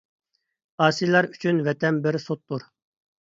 ئاسىيلار ئۈچۈن ۋەتەن بىر سوتتۇر.